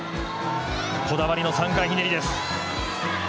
こだわりの３回ひねりです。